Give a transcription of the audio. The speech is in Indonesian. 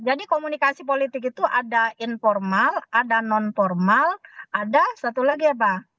jadi komunikasi politik itu ada informal ada non formal ada satu lagi ya pak